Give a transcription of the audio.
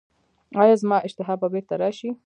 ایا زما اشتها به بیرته راشي؟